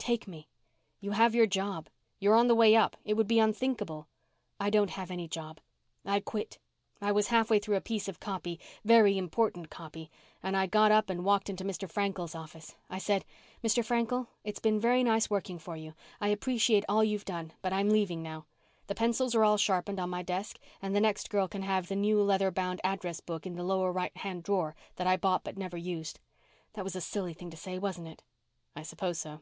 Take me." "You have your job. You're on the way up. It would be unthinkable." "I don't have any job. I quit. I was halfway through a piece of copy very important copy and I got up and walked into Mr. Frankel's office. I said, 'Mr. Frankel, it's been very nice working for you. I appreciate all you've done but I'm leaving now. The pencils are all sharpened on my desk and the next girl can have the new leather bound address book in the lower right hand drawer that I bought but never used! That was a silly thing to say, wasn't it?" "I suppose so."